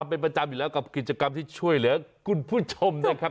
เป็นประจำอยู่แล้วกับกิจกรรมที่ช่วยเหลือคุณผู้ชมนะครับ